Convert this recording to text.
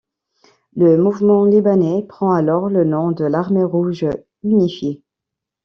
Le mouvement libanais prend alors le nom de de l'Armée rouge unifiée.